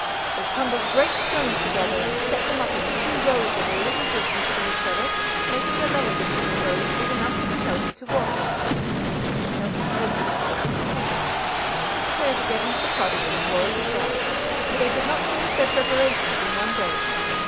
They tumbled great stones together, and set them up in two rows at a little distance from each other, making a lane between the rows big enough for the kelpie to walk in. If the kelpie heard them, he could not see them, and they took care to get into the cottage before it was dark, for they could not finish their preparations in one day.